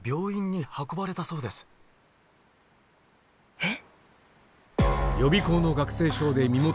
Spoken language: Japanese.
えっ？